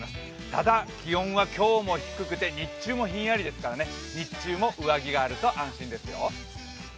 ただ気温は今日も低くて日中もひんやりですから、日中も上着があると安心ですよ。